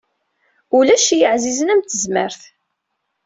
Ulac i yeɛzizen am tezmert.